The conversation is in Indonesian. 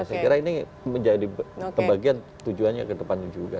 saya kira ini menjadi bagian tujuannya ke depannya juga